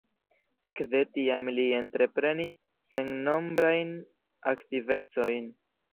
Ekde tiam li entreprenis sennombrajn aktivecojn.